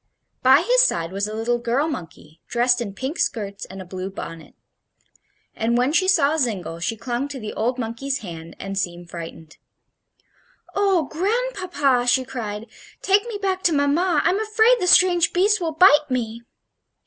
By his side was a little girl monkey, dressed in pink skirts and a blue bonnet; and when she saw Zingle she clung to the old monkey's hand and seemed frightened. "Oh, grandpapa!" she cried; "take me back to mamma; I'm afraid the strange beast will bite me."